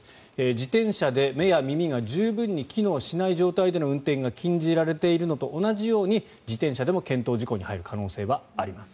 自転車で目や耳が十分に機能しない状態での運転が禁じられているのと同じように自転車でも検討事項に入る可能性はあります。